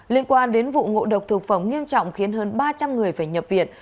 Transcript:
liên quan đến vụ ngộ độc thực phẩm nghiêm trọng khiến hơn ba trăm linh người phải nhập viện